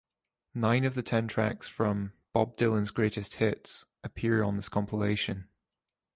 Nine of the ten tracks from "Bob Dylan's Greatest Hits" appear on this compilation.